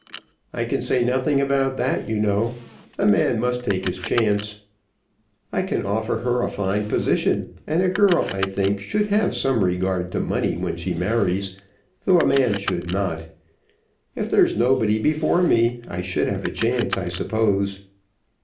"I can say nothing about that, you know. A man must take his chance. I can offer her a fine position, and a girl, I think, should have some regard to money when she marries, though a man should not. If there's nobody before me I should have a chance, I suppose."